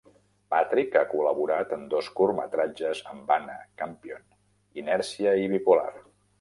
Patrick ha col·laborat en dos curtmetratges amb Anna Campion, "Inèrcia" i "Bipolar".